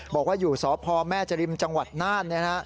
บอกว่าอยู่สพแม่จริมจังหวัดน่าน